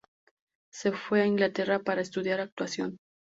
Se fue a Inglaterra para estudiar actuación.